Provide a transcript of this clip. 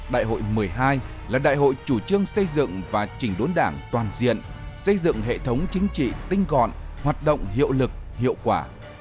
đại hội một mươi hai là đại hội chủ trương xây dựng và chỉnh đốn đảng toàn diện xây dựng hệ thống chính trị tinh gọn hoạt động hiệu lực hiệu quả